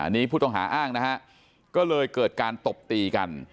นี่ผู้ต้องหาอ้างนะฮะก็เลยเกิดการตบตีกัน